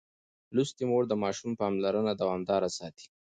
لوستې مور د ماشوم پاملرنه دوامداره ساتي.